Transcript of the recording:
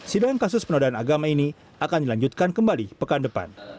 sidang kasus penodaan agama ini akan dilanjutkan kembali pekan depan